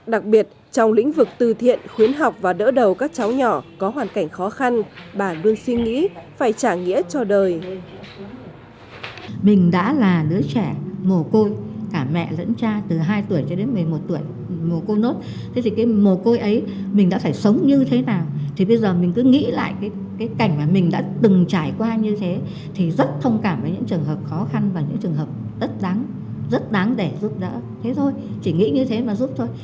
đặc biệt trong lĩnh vực từ thiện khuyến học và đỡ đầu các cháu nhỏ có hoàn cảnh khó khăn bà luôn suy nghĩ phải trả nghĩa cho đời